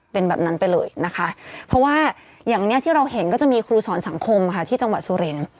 เป็นแบบนั้นไปเลยนะคะเพราะว่าอย่างนี้ที่เราเห็นก็จะมีครูสอนสังคมค่ะที่จังหวัดสุรินทร์